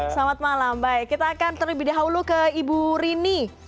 selamat malam baik kita akan terlebih dahulu ke ibu rini